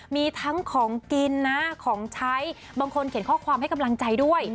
มีทั้งของกินนะของใช้บางคนเขียนข้อความให้กำลังใจด้วย